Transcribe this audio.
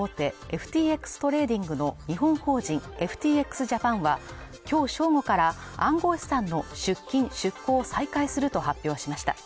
ＦＴＸトレーディングの日本法人ＦＴＸジャパンは、今日正午から暗号資産の出金・出庫を再開すると発表しました。